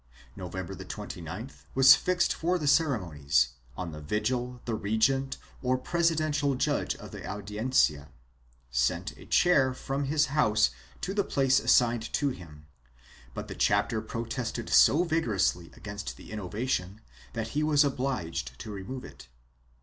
November 29th was fixed for the ceremonies; on the vigil, the regent, or president judge of the Audiencia, sent a chair from his house to the place assigned to him, but the chapter protested so vigorously against the innovation that he was obliged to remove it.